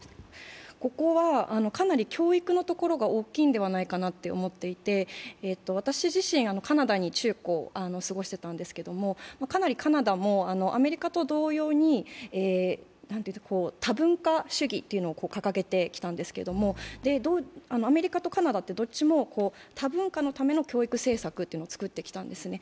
ここはかなり教育のところが大きいのではないかと思っていて私自身、カナダで中高、過ごしていたんですけれども、かなりカナダもアメリカと同様に多文化主義を掲げてきたんですけれども、アメリカとカナダってどっちも多文化のための政策を続けてきたんですね。